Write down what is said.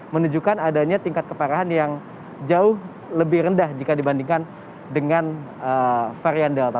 menunjukkan adanya tingkat keparahan yang jauh lebih rendah jika dibandingkan dengan varian delta